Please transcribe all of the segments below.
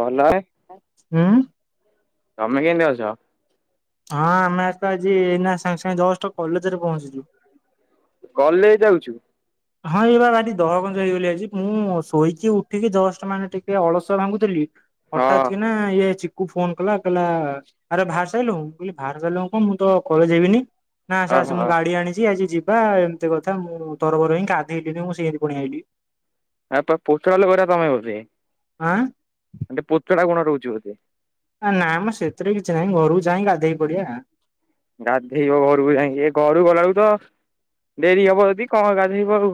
ଭଲ। ହୁଁ। ତମେ କେମିତି ଅଛ? ହଁ ଆମେ ଆ ତ ଆଜି ଏଇନା ସାଙ୍ଗେ ସାଙ୍ଗେ ଜଷ୍ଟ କଲେଜରେ ପହଞ୍ଚିଛୁ। କଲେ ଯାଉଛୁ? ହଁ ଏଇ ବା ଭାରି ଦହଗଞ୍ଜ ହେଇଗଲି ଆଜି ମୁଁ ଶୋଇଚି ଉଠିକି ଜଷ୍ଟ ମାନେ ଟିକେ ଅଳସ ଭାଙ୍ଗୁଥିଲି। ହଁ ହଟାତ୍ କି ନା ଇଏ ଚି କୁ ଫୋନ କଲା କହିଲା ଆରେ ବାହାରି ସାରିଲୁଁ ମୁଁ କହିଲି ବାହାର ସାରିଲୁଣୁ କଣ ମୁଁ ତ କଲେଜ ଯିବିନି। ନା ଆସେ ଆସେ ଓହୋ ମୁଁ ଗାଡ଼ି ଆଣିଛି ଆଜି ଯିବା ଏମିତି କଥା ମୁଁ ତରବର ହିଁ ଗାଧେଇଲିନି ମୁଁ ସେମିତି ପଳେଇ ଆଇଲି। ଆ ତ ପୋଷ୍ଟାଲ୍ କରିବା ତମେ ହେଉଛି। ଆଁ ଆ ଟିକେ ପୋଚଳା ଗୁଣ ରହୁଛି ବୋଧେ? ଆ ନାଁମ ସେଥିରେ କିଛି ନାହିଁ ଘରକୁ ଯାଇ ଗାଧେଇ ପଡ଼ିବା। ଗାଧେଇବ ଘରୁକୁ ଯାଇକି ଘରୁକୁ ଗଲା ବେଳକୁ ତ ଡେରି ହବ ଯଦି କଣ ଗାଧେଇବ ଆଉ।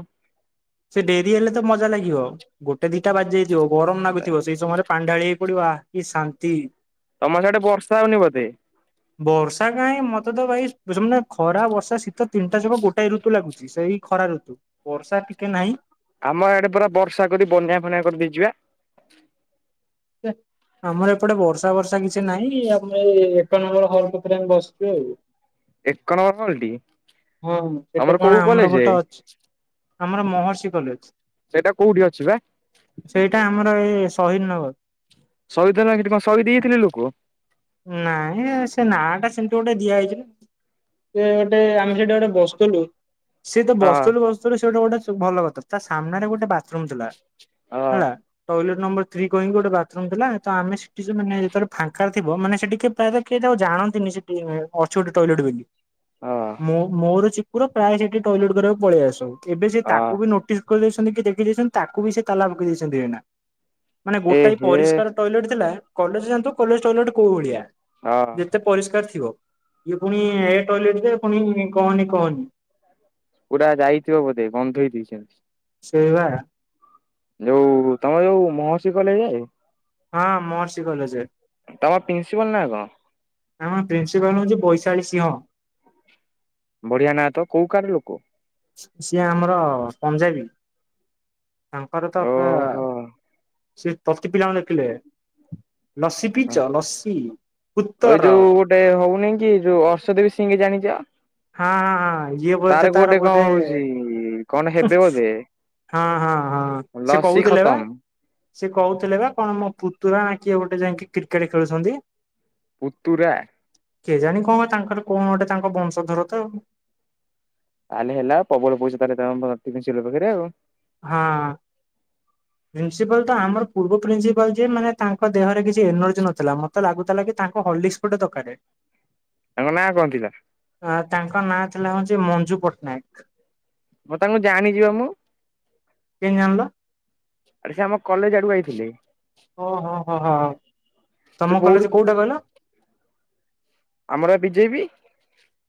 ସେ ଡେରି ହେଲେ ତ ମଜା ଲାଗିବ ଗୋଟେ ଦିଟା ବାଜି ଯାଇଥିବ ଗରମ ଲାଗୁଥିବ ସେଇ ସମୟରେ ପାଣି ଢାଳିହେଇପଡ଼ିବା କି ଶାନ୍ତି। ତମର ସିଆଡ଼େ ବର୍ଷା ହଉନି ବୋଧେ? ବର୍ଷା କାହିଁ ମତେ ତ ଭାଇ [unintelligible] ଖରା ବର୍ଷା ଶୀତ ତିନିଟା ଯାକ ଗୋଟାଏ ଋତୁ ଲାଗୁଛି। ଶେଇ ଖରା ଋତୁ ବର୍ଷା ଟିକେ ନାହିଁ। ଆମ ଆଡ଼େ ପୁରା ବର୍ଷା କରି ବନ୍ୟା ଫନ୍ୟା କରିଦେଇଯିବା। [unintelligible] ଆମର ଏପଟେ ବର୍ଷା ବର୍ଷା କିଛି ନାହିଁ ଆମେ ଏ ଏକ ନମ୍ବର ହଲ କତିରେ ଆମ ବସିଛୁ ଆଉ। ଏକ ନମ୍ବର କଲଟି ହଁ ତମର ସେଟା କୋଉ କଣ କଲେଜ ଆମର ଗୋଟେ ଅଛ ଆମର ମହର୍ଷି କଲେଜ। ସେଇଟା କୋଉଠି ଅଛି ବା? ସେଇଟା ଆମର ଏ ଶହିଦ୍ ନଗର। ଶହିଦ୍ ନ ସେଠୀ କଣ ସହିଦ୍ ହେଇଯାଇଥିଲେ ଲୋକ? ନାଇଁ ଆଉ ସେ ନା ଟା ସେମିତି ଗୋଟେ ଦିଆ ହେଇଛି ନାଁ। ସେ ଗୋଟେ ଆମେ ସେଟା ଗୋଟେ ବସଥୁଲୁ। ସିଏ ତ ବସଥୁଲୁ ହଁ। ବସଥୁଲୁ ସେଗୋଟେ ଗୋଟେ ଭଲ କଥା ତା ସାମ୍ନାରେ ଗୋଟେ ବା [unintelligible] ଥିଲା ହେଲା। ଟଏଲେଟ୍ ନମ୍ବର ଥ୍ରୀ କହିକି ଗୋଟେ ବାଥରୁମ୍ ଥିଲା ତ ଆମେ ସେଠି [unintelligible] ଫାଙ୍କା ଥିବ ମାନେ ସେ ଟିକେ ପ୍ରାୟତଃ କିଏ ଜାଣନ୍ତିନି ସେଠି ଅଛି ଗୋଟେ ଟଏଲେଟ୍ ବୋଲି। ହଁ ମୋ ମୋର ଚିକୁର ପ୍ରାୟ ସେଠି ଟଏଲେଟ୍ କରିବାକୁ ପଳେଇ ଆସୁ ଏବେ ସେ ହଁ ତାକୁ ବି ନୋ ନୋଟିସ୍ କରିଦେଇଛନ୍ତି କି ଦେଖି ଦେଇଛନ୍ତି ତାକୁ ବି ସେ ତାଲା ପକେଇ ଦେଇଛନ୍ତି ମାନେ ଏ ଗୋଟାଏ ହେ ପରିଷ୍କାର ଟଏଲେଟ୍ ଥିଲା କଲେଜ ଜାଣିଥିବା କଲେଜ୍ ଟଏଲେଟ୍ କୋଉ ଭଳିଆ। ହଁ। ଏତେ ପରିଷ୍କାର ଥିବ ଇଏ ପୁଣି ଏ ଟଏଲେଟ୍ ଯେ ପୁଣି କହନି କହନି। [unintelligible] ଯାଇଥିବ ବୋଧେ ବନ୍ଧ ହେଇ ଦେଇଛନ୍ତି। ସେଇ ବା। ଯୋଉ ତମର ଯୋଉ ମହର୍ଷି କଲେଜ ଯାଏ? ହଁ ମହର୍ଷି କଲେଜରେ। ତମ ପ୍ରିନ୍ସିପାଲ୍ ନାଁ କଣ? ଆମ ପ୍ରିନ୍ସିପାଲ୍ ହଉଛି ବୈଶାଳି ସିଂହ। ବଢ଼ିଆ ନାଁ ତ କୋଉ କାହାର ଲୋକ? ସିଏ ଆମର ପଞ୍ଜାବୀ। ତାଙ୍କର ତ ଓହୋ। [unintelligible] ସେ ପ୍ରତି ପିଲାଙ୍କୁ ଲେଖିଲେ। ଲସି ପିଇଛ ଲସି ଏଇ ଉତ୍ତର? ଯୋଉ ଗୋଟେ ହଉନି କି ଯୋଉ ଅର୍ଷଦେବୀ ସିଙ୍ଗ୍ ଜାଣିଛ? ହଁ ହଁ ହଁ ଇଏ ବୋଧେ ତାର ଗୋଟେ କଣ ବୋଧେ ହଉଛି କଣ ହେବେ ବୋଧେ ହଁ ହଁ ହଁ ସେ ଲସି କହୁଥିଲେ ବା। ଖତମ। ସିଏ କହୁଥିଲେ ବା କଣ ମୋ ପୁତୁରା ନା କିଏ ଗୋଟେ ଯାଇକି କ୍ରିକେଟ ଖେଳୁଛନ୍ତି। ପୁତୁରା। କେଜାଣି କଣ ତାଙ୍କର କଣ ଗୋଟେ ତାଙ୍କ ବଂଶଧର ତ ଆଉ। ତାହେଲେ ହେଲା ପ୍ରବଳ ପଇସା ତାହେଲେ [unintelligible] ପାଖରେ ଆଉ। ହଁ। ହଁ ପ୍ରିନ୍ସିପାଲ ତ ଆମର ପୂର୍ବ ପ୍ରିନ୍ସିପାଲ ଯେ ମାନେ ତାଙ୍କ ଦେହରେ କିଛି ଏନର୍ଜି ନଥିଲା ମୋତେ ଲାଗୁଥିଲା କି ତାଙ୍କୁ ହୋର୍ଲିକ୍ସ ଗୋଟେ ଦରକାରେ। ତାଙ୍କ ନାଁ କଣ ଥିଲା? ଅ ତାଙ୍କ ନାଁ ଥିଲା ହଉଛି ମଞ୍ଜୁ ପଟ୍ଟନାୟକ। ମୁଁ ତାଙ୍କୁ ଜାଣିଛି ବା ମୁଁ। କେମିତି ଜାଣିଲ? ସିଏ ଆମ କଲେଜ ଆଡ଼କୁ ଆଇଥିଲେ। ଓହୋ ହୋ ହୋ ସେ ତମ ବହୁତ କଲେଜ କୋଉଟା କହିଲ? ଆମର ବିଜେପି।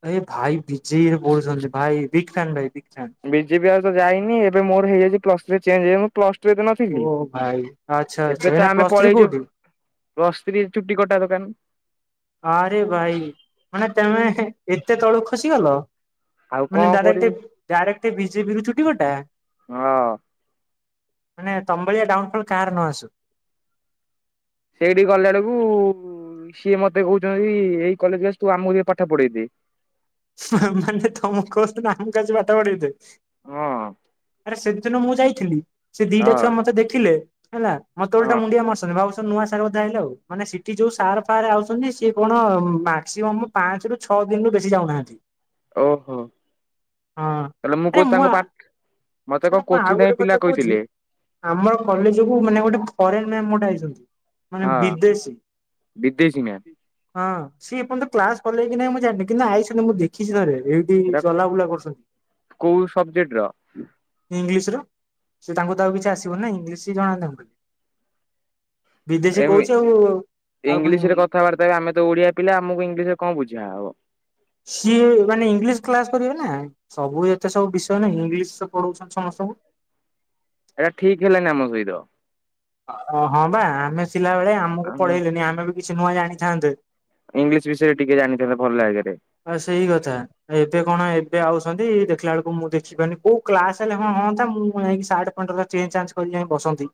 ଏ ଭାଇ ବିଜେପି ରେ ପଢୁଛନ୍ତି ଭାଇ ବିଗ୍ ଫ୍ୟାନ୍ ଭାଇ ବିଗ୍ ଫ୍ୟାନ୍। ବିଜେପି ଆ ତ ଯାଇନି ଏବେ ମୋର ହେଇଯାଇଛି ପ୍ଲସ୍ ଥ୍ରୀ ଚେଞ୍ଜ ହେଇ ପ୍ଲସ ଟୁ ଓ ନଥିଲି ଭାଇ। ଆଚ୍ଛା ଆଚ୍ଛା ଏବେ ତ ଏଇନା ଆମେ ପ୍ଲସ୍ ଥ୍ରୀ ପଳେଇଚୁ। କୋଉଠି ପ୍ଲସ ଥ୍ରୀ ଚୁଟି କଟା ଦୋକାନ। ଆରେ ଭାଇ ମାନେ ତମେ ଏତେ ତଳୁକୁ ଖସିଗଲ। ଆଉ କଣ କରିବୁ ମାନେ [unintelligible] ବିଜେପି ରୁ ଚୁଟି କଟା। ହଁ ମାନେ ତମଭଳିଆ ଡାଉନ୍ ଫଲ୍ କାହାର ନ ଆସୁ। ସେଇଠି ଗଲା ବେଳକୁ ସିଏ ମତେ କହୁଛନ୍ତି ଏଇ କଲେଜରେ ତୁ ଆମକୁ ଟିକେ ପାଠ ପଢେ଼ଇ ଦେ। ସେମାନେ ତମକୁ କହୁଛନ୍ତି ଆମକୁ ଆସି ପାଠ ପଢେ଼ଇ ଦେ ହଁ ଆରେ ସେ ସେ ଦିନ ମୁଁ ଯାଇଥିଲି ସେ ଦିଟା ହଁ ଛୁଆ ମତେ ଦେଖିଲେ ହେଲା ମତେ ଓଲ୍ଟା ହଁ ମୁଣ୍ଡିଆ [unintelligible] ନୂଆ ସାର୍ ବୋଧେ ଆଇଲେ ଆଉ ମାନେ ସେଠି ଯୋଉ ସାର୍ ଫାର୍ ଆଉଚନ୍ତି ସିଏ କଣ ମା ସିଏ [unintelligible] ପାଞ୍ଚରୁ ଛଅ ଦିନରୁ ବେଶୀ ଯାଉନାହାନ୍ତି। ଓହୋ ହଁ ତାଲେ ମୁଁ ଆରେ କହୁ ତାଙ୍କ ପାଠ୍ ମତେ କଁ ମୁଁ ଆଉ ଗୋଟେ କୋଚିନାଇ କଥା ପିଲା କହୁଛି କଇଥିଲେ। ଆମର କଲେଜକୁ ମାନେ ଗୋଟେ ଫରେନ୍ ମ୍ୟାମ୍ ଗୋଟେ ଆଇଚନ୍ତି ମାନେ ହଁ ବିଦେଶୀ। ବିଦେଶୀ ମ୍ୟାମ୍। ହଁ ସିଏ ଏର୍ଯ୍ୟନ୍ତ କ୍ଲାସ୍ କଲେକି ନାଇଁ ମୁଁ ଜାଣିନି କିନ୍ତୁ ଆଇଛନ୍ତି ମୁଁ ଦେଖିଛି ଥରେ [unintelligible] ତି ସେଟା ଚଲାବୁଲା କରୁଛନ୍ତି। କୋଉ ସବଜେକ୍ଟ ର ଇଂଲିଶ୍ ର ସେ ତାଙ୍କୁ ତ ଆଉ କିଛି ଆସିବନି ନା ଇଂଲିଶ୍ [unintelligible] ଜଣା ତାଙ୍କୁ। ବିଦେଶୀ ଏମି କହୁଛି ଆଉ ଆଉ ପୁଣି ଇଂଲିଶ୍ ରେ କଥାବାର୍ [unintelligible] ଆମେ ତ ଓଡିଆ ପିଲା ଆମକୁ ଇଂଲିଶ୍ ରେ କଁ ବୁଝା ହବ। ସିଏ ମାନେ ଇଂଲିଶ୍ କ୍ଲାସ୍ କରିବେ ନା। ସବୁ ଏତେ ସବୁ ବିଷୟ ନା ଇଂଲିଶ୍ [unintelligible] ପଢଉଛନ୍ତି ସମସ୍ତଙ୍କୁ। [unintelligible] ଠିକ୍ ହେଲାନି ଆମ ସହିତ। ଅ ହଁ ବା ଆମେ ସିଲାବେଳେ ଆମକୁ ପଢେଇଲେନି ଆମେ ବି କିଛି ନୂଆ ଜାଣିଥାନ୍ତେ। ଇଂଲିଶ୍ ବିଷୟରେ ଟିକେ ଜାଣି [unintelligible] ଭଲ୍ ଲାଗେ ରେ। ହଁ ସେଇ କଥା। ଏବେ କଣ ଏବେ ଆଉସନ୍ତି ଦେଖିଲା ଆଳକୁ ମୁଁ ଦେଖି [unintelligible] କୋଉ କ୍ଲାସ୍ ହେଲେ ହଁ ହନ୍ତା ମୁଁ ଯାଇଁକି ସାଟ [unintelligible] ଚେଞ୍ଜ୍ ଚାଞ୍ଜ୍ କରି ଯାଇଁ ବସନ୍ତି।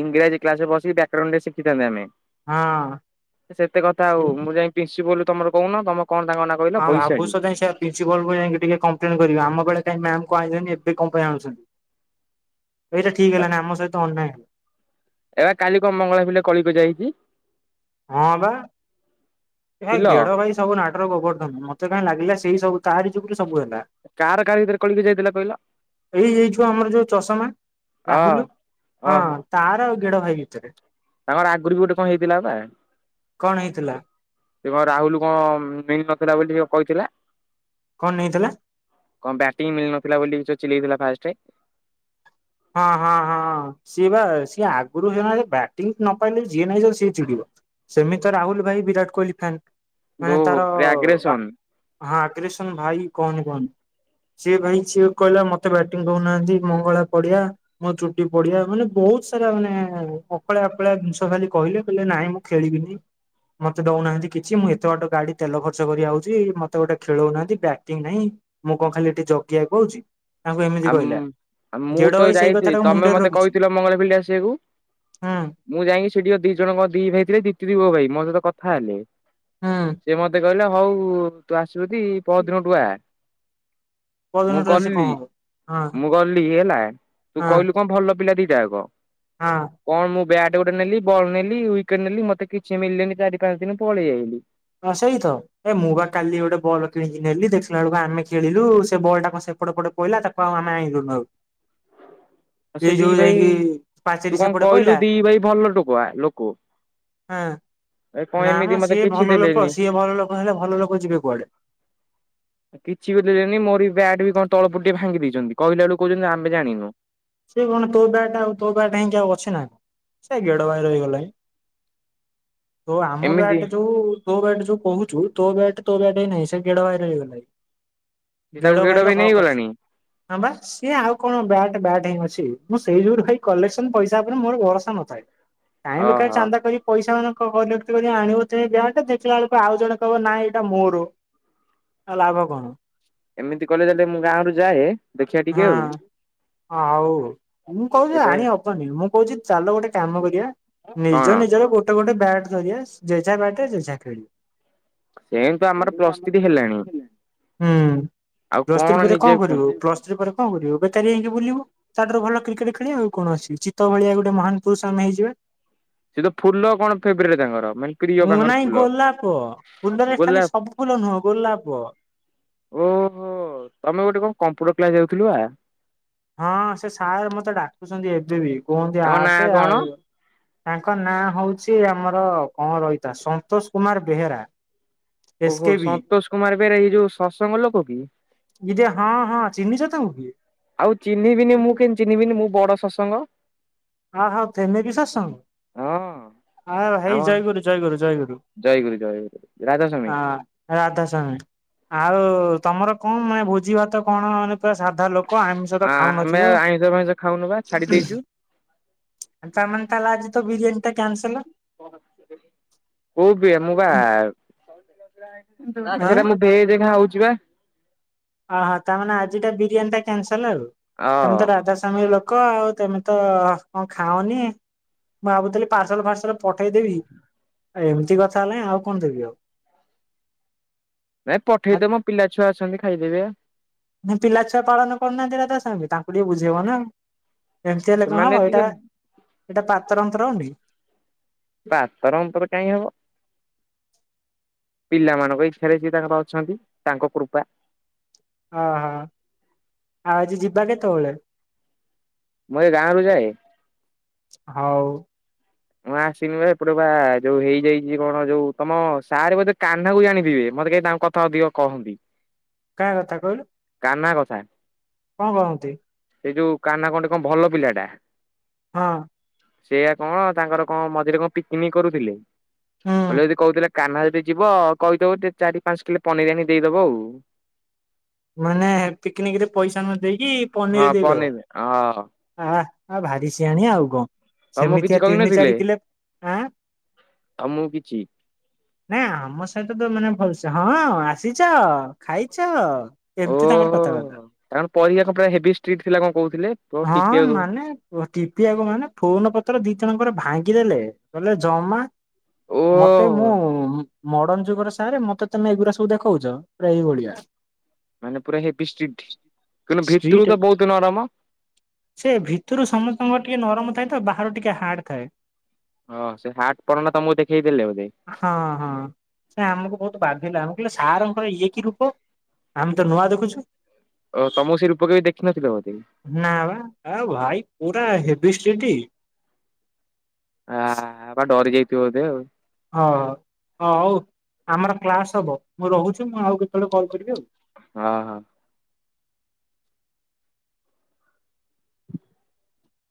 ଇଂରାଜୀ କ୍ଲାସ୍ ରେ ବସିକି ବ୍ୟାକରଣ ଟିକେ ଶିଖିଥାନ୍ତେ ଆମେ ହଁ। [unintelligible] ସେତେ କଥା ଆଉ ମୁଁ ଯାଇଁ ପ୍ରିନ୍ସିପୁଲ୍ ତମର କହୁନ ତମ କଣ ତାଙ୍କ ନା ହଁ ଭାବୁସ କାଇଁ [unintelligible] ପ୍ରିନ୍ସିପାଲକୁ ଯାଇଁକ ଟିକେ କମ୍ପ୍ଲେନ୍ କରିବା ଆମେ ବେଳେ କାଇଁ ମ୍ୟାମ୍ କୁ ଆଇଁଲେନି ଏବେ କଁ ପାଇଁ ଆଣୁଛନ୍ତି। ଏଇଟା ଠିକ୍ ହେଲାନି ଆମ ସହିତ ଅନ୍ୟାୟ। ଏ ବା କାଲି କଁ ମଙ୍ଗଳା ପିଲେ କଳିକଜିଆ ହେଇଚି? ହଁ ବା। ଏ ଭାଇ ପିଲ ଗେଡ ଭାଇ ସବୁ ନାଟର ଗୋବର୍ଦ୍ଧନ ମତେ କାଇଁ ଲାଗିଲା ସେଇ ସବୁ ତାରି ଯୁଗୁରୁ ସବୁ ହେଲା। କାହାର [unintelligible] ଭିତରେ କଳିି? ଏଇ ଏଇ ଛୁଆ ଆମର ଯୋଉ ଚଷମା ଅ ରାହୁଲୁ ହଁ। ଓହୋ ତାର ଆଉ ଗେଡ଼ ଭାଇ ଭିତରେ। ତାଙ୍କର ଆଗରୁ ବି ଗୋଟେ କଁ ହେଇଥିଲା ବା? କଣ ହେଇଥିଲା? ସେ କଁ ରାହୁଲୁ କଁ ମିଳିନଥିଲା ବୋଲି [unintelligible] କହିଥିଲା। କଁ ନେଇଥିଲା? କଁ ବ୍ୟାଟିଂ ମିଳିନଥିଲା ବୋଲି ଯୋଉ ଚିଲେଇଥିଲା ଫାଷ୍ଟେ। ହଁ-ହଁ-ହଁ ସିଏ ବା ସିଏ ଆଗୁରୁ [unintelligible] ବ୍ୟାଟିଂ ନ ପାଇଲେ ଯିଏ ନାଇଁ [unintelligible] ସିଏ ଚିଡିବ। ସେମିତି ତ ରାହୁଲ୍ ଭାଇ ବିରାଟ କୋହଲି ଫ୍ୟାନ୍ ମାନେ ଓହୋ ତାର ପୁରା ଆଗ୍ରେସନ ଆ ହଁ ଆଗ୍ରେସନ୍ ଭାଇ କହନି କହନି। ସିଏ ଭାଇ ସିଏ କହିଲା ମତେ ବ୍ୟାଟିଂ ଦଉନାହାନ୍ତି ମଙ୍ଗଳା ପଡିଆ। ମୋ ଚୁଟି ପଡିଆ ମାନେ ବହୁତ୍ ସାରା ମାନେ ଅକଳିଆ ଅକଳିଆ ଜିନିଷ ଖାଲି କହିଲେ କହିଲେ ନାଇଁ ମୁଁ ଖେଳିବିନି। ମତେ ଦଉନାହାନ୍ତି କିଛି ମୁଁ ଏତେ ବାଟ ଗାଡି ତେଲ ଖର୍ଚ୍ଚ କରି ଆଉଚି ମତେ ଗୋଟେ ଖେଳଉନାହାନ୍ତି ବ୍ୟାଟିଂ ନାଇଁ। ମୁଁ କଁ ଖାଲି ଏଠି ଜଗିଆକୁ ଆଉଚି ତାଙ୍କୁ ଏମିତି ଆମ କହିଲା। ଆଉ ମୁଁ ଗେଡ ତ ଭାଇ ସେଇ ଯାଇଥିଲି କଥାଟାକୁ ତମେ ମୁଣ୍ଡରେ ମତେ ରଖିଛି କହିଥିଲ ମଙ୍ଗଳା ପିଣ୍ଢା ଆସିଆକୁ। ହୁଁ। ମୁଁ ଯାଇକି ସେ ଟିକେ ଦି ଜଣକ ଦି ଭାଇ ଥିଲେ ଦିିତ ଦିୋ [unintelligible] ଭାଇ ମୋ ସହିତ କଥା ହେଲେ। ସେ ମତେ କହିଲେ ହଉ ତୁ ଆସିବୁ ତି ପହର ଦିନ ଟୁ ଆ। ପହର ମୁଁ ଦିନଠୁ ସେ କଣ ଗଲି ହବ [unintelligible] ମୁଁ ଗଲି ହେଲା ତୁ ହଁ କହିଲୁ କଣ ଭଲ ପିଲା ଦିଟା ଆକ। ହଁ। କଣ ମୁଁ ବ୍ୟାଟ ଗୋଟେ ନେଲି ବଲ୍ ନେଲି ୱିକେଟ ନେଲି ମତେ କିଛି ମିଳିଲାନି ଚାରି ପାଞ୍ଚ ଦିନ ପଳେଇ ଆଇଲି। ହଁ ସେଇ ତ। ଏ ମୁଁ ବା କାଲି ଗୋଟେ ବଲ୍ କିଣିିକି ନେଲି ଦେଖିଲା ବେଳକୁ ଆମେ ଖେଳିଲୁ ସେ ବଲ୍ ଟା କଣ ସେପଟେ ପଟେ କହିଲା ତାକୁ ଆଉ ଆଣିଲୁନୁ ଆଉ। [inaudible] ଆଉ ଏଇ ସେ ଦି ଯୋଉ ଭାଇ ଯାଇକି ପାଚେରୀ ତୁ କଣ ସେପଟେ କହିଲୁ ପଇଲା ଦି ଭାଇ ଭଲ ଟୋକା ଲୋକ ହଁ ଏ କଣ ଏମିତି ମତେ କିଛି ଦେଲେନି। ହଁ ସିଏ ଭଲ ଲୋକ ହେଲେ ଭଲ ଲୋକ ଯିବେ କୁଆଡେ? [inaudible] କିଛିବି ଦେଲେନି ମୋରି ବ୍ୟାଡ୍ ବି କଣ ତଳେ ପକେଇ ଭାଙ୍ଗି ଦେଇଛନ୍ତି କହିଲା ବେଳକୁ କହୁଛନ୍ତି ଆମେ ଜାଣିନୁ। ସେ କଣ ତୋ ବ୍ୟାଟ ଟା ଆଉ ତୋ ବ୍ୟାଟ ଟା ହେଇକି ଆଉ ଅଛି ନା କଣ ସେ ଗେଡ ଭାଇ ର ହେଇଗଲାଣି। [inaudible] ହଉ ଆମ ଏମିତି ବ୍ୟାଟ ଯୋଉ ତୋ ବ୍ୟାଟ ଯୋଉ କହୁଛୁ ତୋ ବ୍ୟାଟ ତୋ ବ୍ୟାଟ ହେଇକି ଆଉ ନାହିଁ ସେ ଗେଡ ଭାଇର ହେଇଗଲାଣି। ସେ ତାକୁ ଗେଡ ଭାଇର ପାଇଁ ହକ୍ ଅଛି ନେଇଗଲାଣି ହଁ ବା ସିଏ ଆଉ କଣ ବ୍ୟାଟ ବ୍ୟାଟ ମୁଁ ସେଇ ଯୋଉ କଲେସନ ପଇସା ଉପରେ ମୋର ଭରସା ନଥାଏ କାଇଁ ବେକାର ଓହୋ ଚାନ୍ଦତା କରି ପଇସା ମାନେତି [unintelligible] ଆଣିବ ଯାହାେ ଦେଖିଲା ବେଳକୁ ଆଉ ଜଣେ କହ ନାଁ ଏଇଟା ମୋର। ଆଉ ଲାଭ କଣ? ଏମିତି କଲେ ହେଲେ ମୁଁ ଗାଁ ରୁ ଯାଏ ଦେଖିବା ଟିକେ ଆଉ। ହଉ ମୁଁ କହୁଛି ଏବେ ଆଣିହବନି ମୁଁ କହୁଛି ଚାଲ ଗୋଟେ କାମ କରିବା କଣ ନିଜ ନିଜର ଗୋଟେ ଗୋଟେ ବ୍ୟାଟ ଧରିବା ଜେଝା ବ୍ୟାଟରେ ଜେଝା ଖେଳିବା। ଯେହେତୁ ଆମର ପ୍ଲସଥ୍ରୀ ହେଲାଣି। ହୁଁ ଆଉ ପ୍ଲସ୍ ଥ୍ରୀ ପରେ କଣ ନିଜେ କରିବୁ ପ୍ଲସ୍ ଥ୍ରୀ ପରେ କଣ କରିବୁ ବେକାରୀ ହେଇକି ବୁଲିବୁ। ତାଠାରୁ ଭଲ କ୍ରିକେଟ ଖେଳିବା ଆଉ କଣ ଅଛି ଚିତ ଭଳିଆ ଗୋଟେ ମହାନ ପୁରୁଷ ଆମେ ହେଇଯିବା। ସେ ତ ଫୁଲ କଣ ଫେବ୍ରଟ ତାଙ୍କର ମାନ ହଁ ନାଇଁ ଗୋଲାପ ଫୁଲରେ ଖାଲି ଗୋଲାପ ସବୁ ଫୁଲ ନୁହଁ ଗୋଲାପ। ଓହୋ ତମେ ଗୋଟେ କଣ କମ୍ପ୍ୟୁଟର କ୍ଲାସ ଯାଉଥିଲ ବା। ହଁ ସେ ସାର୍ ମତେ ଡାକୁଛନ୍ତି ଏବେ ବି କୁହନ୍ତି ତାଙ୍କ ନାଁ ଆସେ କଣ ଆଉ ତାଙ୍କ ନାଁ ହଉଛି ଆମର କଣ ରହିଥା ସନ୍ତୋଷ କୁମାର ବେହେରା। ଏସ୍ ଓହୋ କେ ବି ସନ୍ତୋଷ କୁମାର ବେହେରା ଏଇ ଯୋଉ ସତ୍ସଙ୍ଗ ଲୋକ କି? ଇରେ ହଁ ହଁ ଚିିହ୍ନିଛ ତାଙ୍କୁ କି? ଆଉ ଚିହ୍ନିବିନି ମୁଁ କେମିତି ଚିହ୍ନିବିନି ମୁଁ ବଡ ସତ୍ସଙ୍ଗ। ଆ ହ ତମେ ବି ସସ୍ତଙ୍ଗ। ହଁ ଆ ଆମ ହେଇ ଜୟଗୁରୁ ଜୟଗୁରୁ ଜୟଗୁରୁ। [unintelligible] ରାଧା ସ୍ୱାମୀ ଆଉ ତମର କଣ ମାନେ ଭୋଜି ଭାତ କଣ ମାନେ ତ ସାଧା ଲୋକ ଆମିଷ ତ ଆମେ ଖାଉନଥିବ। ଆଇଁଷ ଫାଇଁଷ ଖାଉନୁ ବା ଛାଡି ଦେଇଛୁ ତାମାନେ ତାଲା ଆଜି ତ ବିରିୟାନୀ ଟା କ୍ୟାନ୍ସଲ। କୋଉ ବିିଏ ମୁଁ ପା [unintelligible] ଆଁ ସେଟା ମୁଁ ଏ ଜେଗା ହଉଛି ବା। ଅହୋ ତାମାନେ ଆଜିଟା ବିରିୟାନୀଟା କ୍ୟାନସଲ୍ ଆଉ, ତମେ ହଁ ତ ରାଧାସ୍ଵାମୀ ଲୋ କ ଆଉ ତମେ ତ କଣ ଖାଅନି, ମୁଁ ଭାବୁଥିଲି ପାର୍ସଲ ଫାର୍ସଲ ପଠେଇଦେବି, ଆଉ ଏମିତି କଥା ନାଇଁ ଆଉ କଣ ଦେବି ଆଉ? ନାଇଁ ପଠେଇଦେ ମୋ ଆଉ ପିଲା ଛୁଆ ଅଛନ୍ତି ଖାଇଦେବେ। ନା ପିଲାଛୁଆ ପାଳନ କରୁନାହାନ୍ତି ରାଧାସ୍ୱାମୀ ତାଙ୍କୁ ଟିକେ ବୁଝେଇବ ନା। ଏମିତି ହେଲେ କଣ ହବ ସେମାନେ ଏଇଟା, ଟିକେ ଏଇଟା ପାତ ଅନ୍ତର ହଉନି। ପାତର ଅନ୍ତର କାଇଁ ହବ। ପିଲାମାନଙ୍କ ଇଚ୍ଛାରେ ଯିଏ ତାଙ୍କର ଅଛନ୍ତି ତାଙ୍କ କୃପା। ଓହୋ, ଆଉ ଆଜି ଯିବା କେତୋଳେ? ମୁଁ ଏ ଗାଁରୁ ଯାଏ। ହଉ। ମୁଁ ଆସିନି ବା ଏପଟେ ବା ଯୋଉ ହେଇଯାଇଛି କଣ ଯୋଉ ତମ ସାର୍ ବୋଧେ କାହ୍ନାକୁ ଜାଣିଥିବେ ମତେ କାହି ତାଙ୍କ କ ଥା ଅଧିକ କହନ୍ତି। କାହା କଥା କହିଲୁ? କାହ୍ନା କଥା। କଣ କହନ୍ତି? ଏଇ ଯୋଉ କାହ୍ନା କଁଟେ କଣ ଭଲ ପିଲାଟା। ହଁ ସେଇଆ କଣ ତାଙ୍କର କଣ ମଝିରେ କଣ ପିକିନିକ୍ କରୁଥିଲେ, ହୁଁ କହିଲେ ଯଦି କହୁଥିଲେ କାହ୍ନା ଯଦି ଯିବ କହିଦବ ଟିଏ ଚାରି ପାଞ୍ଚ କିଲେ ପନିର୍ ଆଣି ଦେଇଦବ ଆଉ। ମାନେ ପିକିନିକରେ ପଇସା ନ ଦେଇକି ପନିର୍ ହଁ ଦେଇଦବ। ପନିର ହଁ ଆଃ, ଆ ଭାରି ସିଆଣିଆ ଆଉ କଣ, ତମକୁ କିଛି ସେମିତିଆ ତିନି କହିନଥିଲେ ଚାରି କିଲେ, ଆଁ। ଆ ମୁଁ କିଛି ନାଇଁ ଆମ ସହିତ ତ ମାନେ ଭଲସେ ହଁ ଆସିଛ, ଖାଇଛ ଏମିତି ତାଙ୍କର କଥାବାର୍ତ୍ତା। ହେରାଙ୍କର ପରିକ୍ଷା କଣ ପୁରା ହେଭି ଷ୍ଟ୍ରିଟ୍ ଥିଲା କଣ କହୁଥିଲେ? ପୁରା ହଁ ଟିପିବାକୁ ମାନେ ଓ ଟିପିବାକୁ ମାନେ ଫୋନ ପତ୍ର ଦି ଜଣଙ୍କର ଭାଙ୍ଗିଦେଲେ କହିଲେ ଜମା ଦଉ ମତେ ଓହୋ ମୁଁ ମର୍ଡ଼ନ୍ ଯୁଗରେ ସାର୍ ମତେ ତମେ ଏଗୁରା ସବୁ ଦେଖଉଛ, ପୁରା ଏଇଭଳିଆ। ମାନେ ପୁରା ହେବି ଷ୍ଟ୍ରିଟ୍, କିନ୍ତୁ ଷ୍ଟ୍ରିଟ ଭିତରୁ ତ ବହୁତ ନରମ। ସେ ଭିତରୁ ସମସ୍ତଙ୍କର ଟିକେ ନରମ ଥାଏ ତ ବାହାରୁ ଟିକେ ହାର୍ଡ ଥାଏ। ଓଃ ସେ ହାର୍ଡ଼ ପଣଟା ତମକୁ ଦେଖେଇଦେଲେ ବୋଧେ? ହଁ ହଁ, ନା ଆମକୁ ବହୁତ ବାଧିଲା ଆମେ କହିଲୁ ସାରଙ୍କର ଇଏ କି ରୂପ? ଆମେ ତ ନୂଆ ଦେଖୁଛୁ। ଓ ତମକୁ ସେ ରୂପ କେବେ ଦେଖିନଥିଲେ ବୋଧେ କି? ନାଁ ବା, ଆ ଭାଇ ପୁରା ହେବି ଷ୍ଟ୍ରିଟ୍। ଆ, ବା ଡରି ଯାଇଥିବ ବୋଧେ ଆଉ। ହଁ, ହଁ ହଉ, ଆମର କ୍ଲାସ୍ ହବ ମୁଁ ରହୁଛି ମୁଁ ଆଉ କେତଳେ କଲ୍ କରିବି ଆଉ। ହଁ, ହଁ।